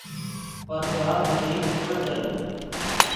پر وآ وڌ ڪونآ چلري۔